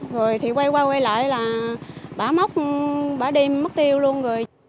rồi thì quay qua quay lại là bà móc bà đi mất tiêu luôn rồi